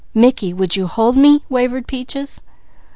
"Mickey, would you hold me?" wavered Peaches.